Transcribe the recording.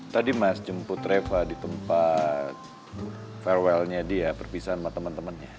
tadi mas jemput reva di tempat farewell nya dia perpisahan sama temen temennya